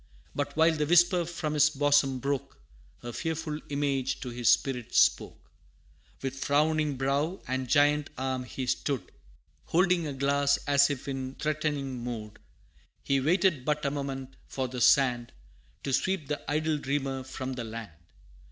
But while the whisper from his bosom broke, A fearful Image to his spirit spoke: With frowning brow, and giant arm he stood, Holding a glass, as if in threatening mood, He waited but a moment for the sand, To sweep the idle Dreamer from the land!